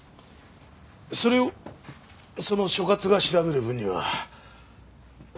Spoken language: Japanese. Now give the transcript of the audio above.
それをその所轄が調べる分には構わない。